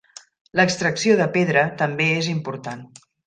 L'extracció de pedra també és important.